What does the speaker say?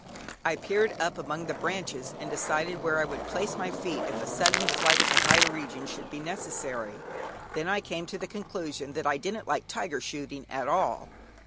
I peered up among the branches, and decided where I would place my feet if a sudden flight to higher regions should be necessary. Then I came to the conclusion that I didn't like tiger shooting at all.